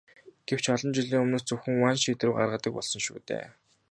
Гэвч олон жилийн өмнөөс зөвхөн ван шийдвэр гаргадаг болсон шүү дээ.